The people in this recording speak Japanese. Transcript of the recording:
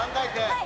はい。